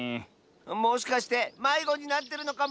もしかしてまいごになってるのかも。